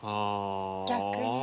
逆に？